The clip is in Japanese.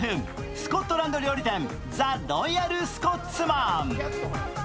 スコットランド料理店ザ・ロイヤルスコッツマン。